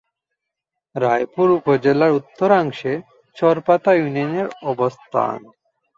রায়পুর উপজেলার উত্তরাংশে চর পাতা ইউনিয়নের অবস্থান।